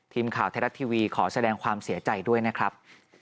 ทีมข่าวไทยรัฐทีวีขอแสดงความเสียใจด้วยนะครับ